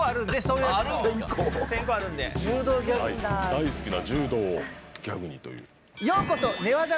大好きな柔道をギャグにという。